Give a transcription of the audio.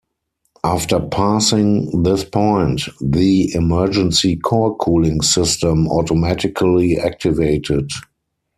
After passing this point, the emergency core cooling system automatically activated.